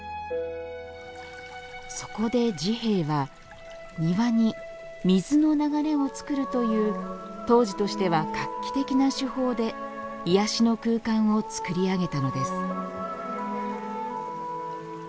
そこで治兵衛は庭に水の流れを作るという当時としては画期的な手法で癒やしの空間を作り上げたのです。